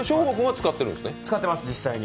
使ってます、実際に。